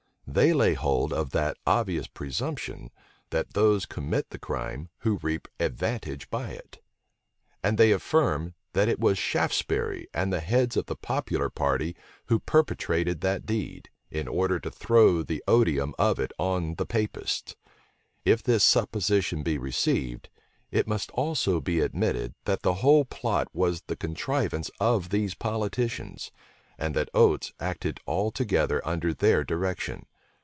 They lay hold of that obvious presumption, that those commit the crime who reap advantage by it; and they affirm, that it was Shaftesbury and the heads of the popular party who perpetrated that deed, in order to throw the odium of it on the Papists. If this supposition be received, it must also be admitted, that the whole plot was the contrivance of these politicians; and that Oates acted altogether under their direction.